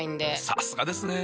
さすがですね。